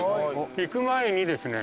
行く前にですね